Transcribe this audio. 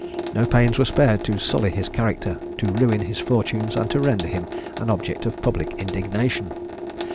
No pains were spared to sully his character, to ruin his fortunes, and to render him an object of public indignation.